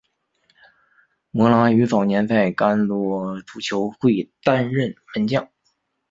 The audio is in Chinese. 摩拉于早年在干多足球会担任门将。